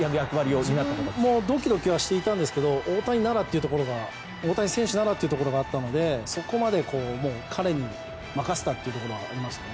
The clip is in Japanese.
自分もドキドキしましたが大谷選手ならというところがあったので彼に任せたというところはありましたね。